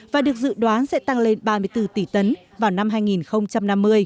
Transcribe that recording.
và được dự đoán sẽ tăng lên ba mươi bốn tỷ tấn vào năm hai nghìn năm mươi